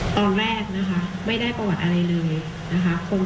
ตอนแรกไม่ได้ประวัติอะไรเลย